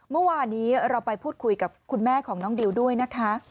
เมื่อวานี้เราไปพูดคุยกับคุณแม่ของน้องดิวด้วยนะคะ